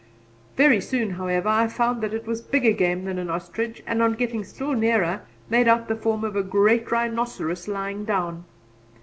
Very soon, however, I found that it was bigger game than an ostrich, and on getting still nearer made out the form of a great rhinoceros lying down.